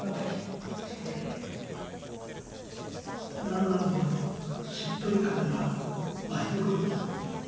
だんだんこのしっとり感が増してくるんですよ。